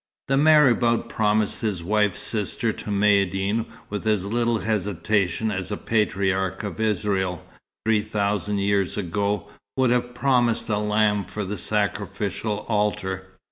The marabout promised his wife's sister to Maïeddine with as little hesitation as a patriarch of Israel, three thousand years ago, would have promised a lamb for the sacrificial altar.